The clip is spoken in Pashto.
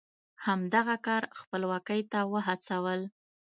همدغه کار خپلواکۍ ته وهڅول.